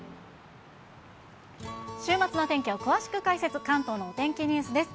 週末の天気を詳しく解説、関東のお天気ニュースです。